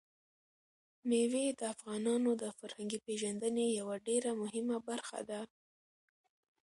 مېوې د افغانانو د فرهنګي پیژندنې یوه ډېره مهمه برخه ده.